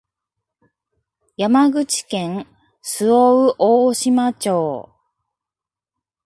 山口県周防大島町